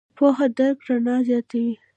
پوهه د درک رڼا زیاتوي.